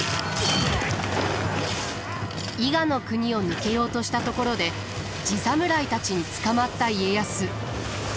伊賀国を抜けようとしたところで地侍たちに捕まった家康。